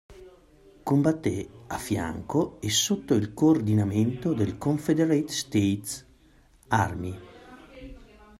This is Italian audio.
Combatté a fianco e sotto il coordinamento del Confederate States Army.